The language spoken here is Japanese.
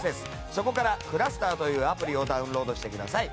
そこからｃｌｕｓｔｅｒというアプリをダウンロードしてください。